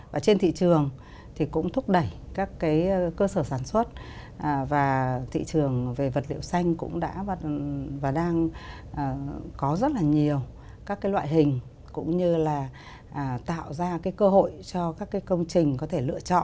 và trên thị trường thì cũng thúc đẩy các cái cơ sở sản xuất và thị trường về vật liệu xanh cũng đã và đang có rất là nhiều các cái loại hình cũng như là tạo ra cái cơ hội cho các cái công trình có thể lựa chọn